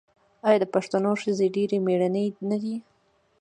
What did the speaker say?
آیا د پښتنو ښځې ډیرې میړنۍ نه دي؟